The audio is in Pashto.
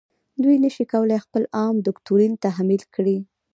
دوی نشي کولای خپل عام دوکتورین تحمیل کړي.